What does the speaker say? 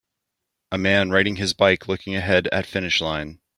A man riding his bike looking ahead at finish line.